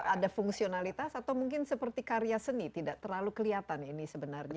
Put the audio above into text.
ada fungsionalitas atau mungkin seperti karya seni tidak terlalu kelihatan ini sebenarnya